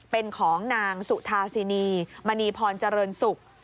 เป็นของนางสุธาศินีมณีพรจริงสุข